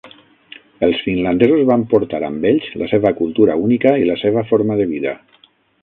Els finlandesos van portar amb ells la seva cultura única i la seva forma de vida.